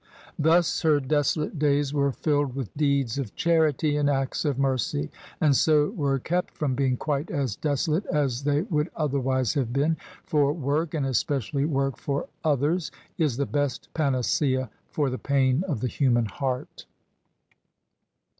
Thus her desolate days were filled with deeds of charity and acts of mercy, and so were kept from being quite as desolate as they would otherwise have been: for work — ^and especially work for others — is the best panacea for the pain of the human heart.